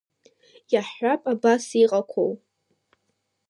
Иаҳҳәап, абас иҟақәоу…